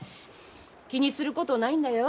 気にすることないんだよ。